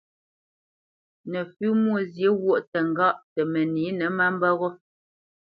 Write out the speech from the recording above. Nəfʉ́ Mwôzyě ghwôʼ təŋgáʼ tə mənǐnə má mbə́ ghó.